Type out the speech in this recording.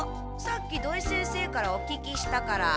さっき土井先生からお聞きしたから。